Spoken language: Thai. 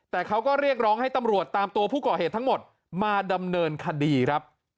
แต่เขาก็เรียกร้องให้ตำรวจตามตัวผู้ก่อเหตุทั้งหมดมาดำเนินคดีครับ